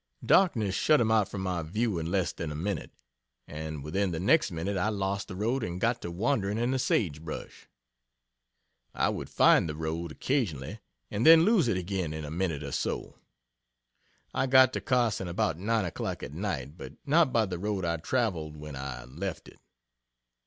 Darkness shut him out from my view in less than a minute, and within the next minute I lost the road and got to wandering in the sage brush. I would find the road occasionally and then lose it again in a minute or so. I got to Carson about nine o'clock, at night, but not by the road I traveled when I left it.